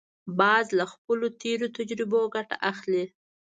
باز له خپلو تېرو تجربو ګټه اخلي